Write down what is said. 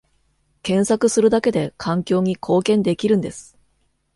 検索するだけで環境に貢献できるんです